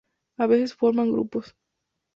A veces forman grupos.